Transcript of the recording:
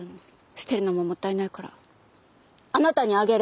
捨てるのももったいないからあなたにあげる！